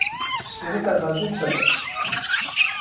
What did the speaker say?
پيري ته غزنى څه دى ؟